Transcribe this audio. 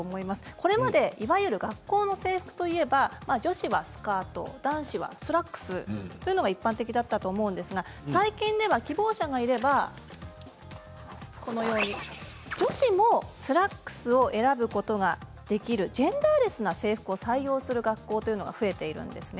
これまでいわゆる学校の制服といえば女子はスカート男子はスラックスというのが一般的だったと思うんですが最近では希望者がいれば女子もスラックスを選ぶことができるジェンダーレスな制服を採用する学校が増えているんです。